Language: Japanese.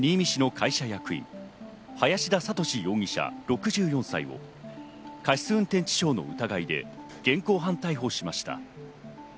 会社役員・林田覚容疑者、６４歳を過失運転致傷の疑いで現行犯逮捕しました。